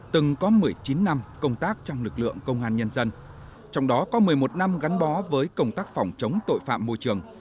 từng có một mươi chín năm công tác trong lực lượng công an nhân dân trong đó có một mươi một năm gắn bó với công tác phòng chống tội phạm môi trường